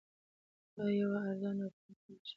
دا یوه ارزانه او پاکه انرژي ده.